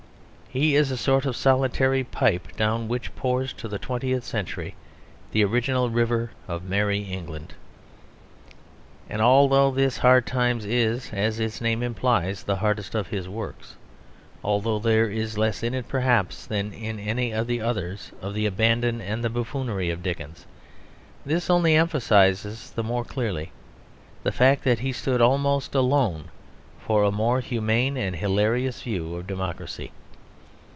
He is a sort of solitary pipe down which pours to the twentieth century the original river of Merry England. And although this Hard Times is, as its name implies, the hardest of his works, although there is less in it perhaps than in any of the others of the abandon and the buffoonery of Dickens, this only emphasises the more clearly the fact that he stood almost alone for a more humane and hilarious view of democracy.